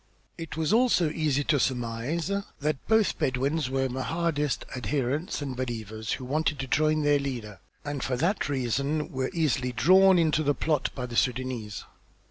It was also easy to surmise that both the Bedouins were Mahdist adherents and believers, who wanted to join their leader, and for that reason were easily drawn into the plot by the Sudânese.